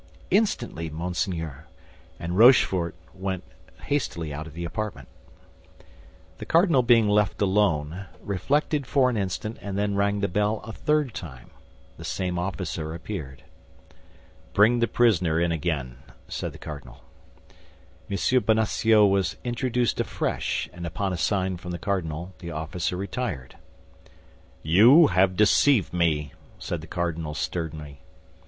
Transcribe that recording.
"Instantly, monseigneur." And Rochefort went hastily out of the apartment. The cardinal, being left alone, reflected for an instant and then rang the bell a third time. The same officer appeared. "Bring the prisoner in again," said the cardinal. M. Bonacieux was introduced afresh, and upon a sign from the cardinal, the officer retired. "You have deceived me!" said the cardinal, sternly.